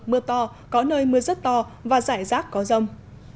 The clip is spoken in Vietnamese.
mưa to có nơi mưa rất to và rải rác có rông